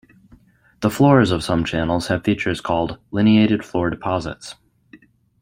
The floors of some channels have features called lineated floor deposits.